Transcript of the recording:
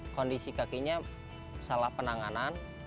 kondisi kakinya salah penanganan